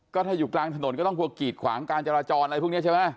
ก็ถ้าอยู่กลางถนนก็ต้องพวกกีดขวางการจราจรอะไรพวกนี้ใช่ไหม